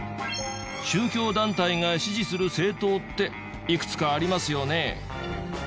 宗教団体が支持する政党っていくつかありますよね。